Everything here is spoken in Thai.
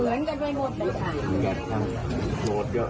ทำไมลุงวันไหนไหนฟ่าทีวี